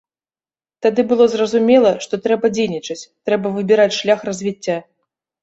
Тады было зразумела, што трэба дзейнічаць, трэба выбіраць шлях развіцця.